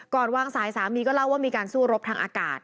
วางสายสามีก็เล่าว่ามีการสู้รบทางอากาศ